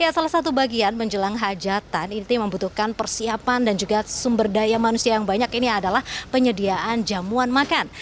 salah satu bagian menjelang hajatan ini membutuhkan persiapan dan juga sumber daya manusia yang banyak ini adalah penyediaan jamuan makan